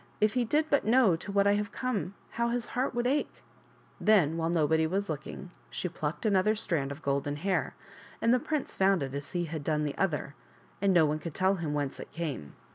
If he did but know to what I have come, how his heart would ache !" Then, while nobody was looking, she plucked another strand of golden hair and the prince found it as he had done the other, and no one could tell hl*n whence it came.